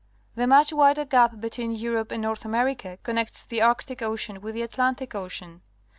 The much wider gap between Europe and North America connects the Arctic Ocean with the Atlantic Ocean.